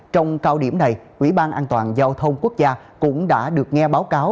trong cao điểm này quỹ ban an toàn giao thông quốc gia cũng đã được nghe báo cáo